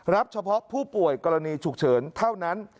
เฉพาะผู้ป่วยกรณีฉุกเฉินเท่านั้น